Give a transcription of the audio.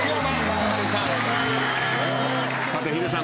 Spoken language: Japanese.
さてヒデさん